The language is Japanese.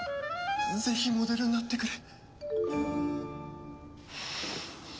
ぜひモデルになってくれ。